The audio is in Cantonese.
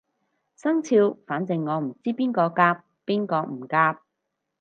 生肖反正我唔知邊個夾邊個唔夾